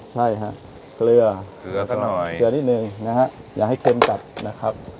ใช่ฮะเกลือเกลือสักหน่อยเกลือนิดนึงนะฮะอย่าให้เค็มกัดนะครับ